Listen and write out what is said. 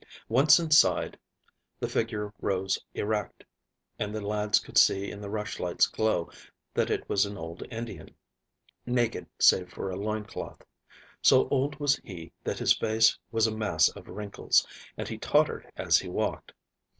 Once inside the figure rose erect, and the lads could see in the rushlights' glow that it was an old Indian, naked save for a loin cloth. So old was he that his face was a mass of wrinkles, and he tottered as he walked.